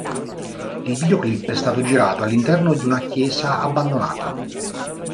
Il videoclip è stato girato all'interno di una chiesa abbandonata.